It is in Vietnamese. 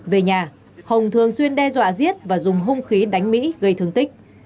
về nhà hồng thường xuyên đe dọa giết và dùng hung khí đánh mỹ gây thương tích